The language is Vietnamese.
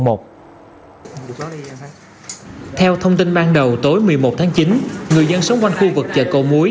theo thông tin ban đầu tối một mươi một tháng chín người dân sống quanh khu vực chợ cầu muối